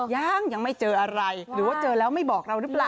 ยังยังไม่เจออะไรหรือว่าเจอแล้วไม่บอกเราหรือเปล่า